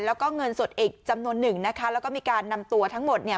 แล้วก็เงินสดอีกจำนวนหนึ่งนะคะแล้วก็มีการนำตัวทั้งหมดเนี่ย